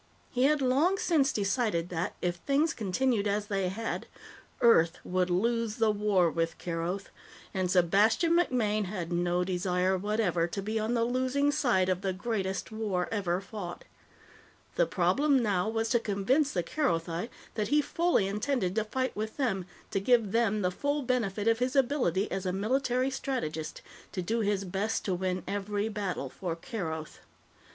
He had long since decided that, if things continued as they had, Earth would lose the war with Keroth, and Sebastian MacMaine had no desire whatever to be on the losing side of the greatest war ever fought. The problem now was to convince the Kerothi that he fully intended to fight with them, to give them the full benefit of his ability as a military strategist, to do his best to win every battle for Keroth.